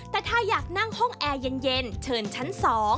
แต่ถ้าอยากนั่งห้องแอร์เย็นเชิญชั้น๒